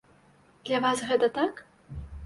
Для вас гэта так?